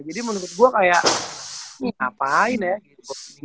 jadi menurut gue kayak ini ngapain ya